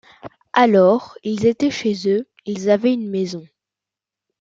Alors, ils étaient chez eux, ils avaient une maison.